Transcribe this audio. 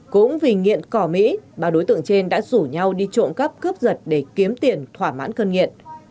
cũng vì nghiện cỏ mỹ ba đối tượng trên đã rủ nhau đi trộm cắp cướp giật để kiếm tiền thỏa mãn cân nghiện